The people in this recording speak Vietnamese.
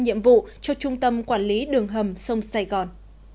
nhiệm vụ cho trung tâm quản lý đường hầm sông sài gòn